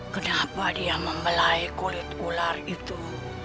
kenapa dia membelai kulit ular itu